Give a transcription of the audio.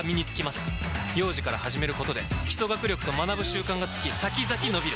幼児から始めることで基礎学力と学ぶ習慣がつき先々のびる！